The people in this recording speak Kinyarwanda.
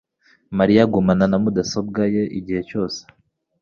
Mariya agumana na mudasobwa ye igihe cyose